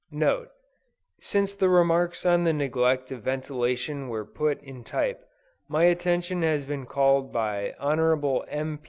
NOTE. Since the remarks on the neglect of ventilation were put in type, my attention has been called by Hon. M.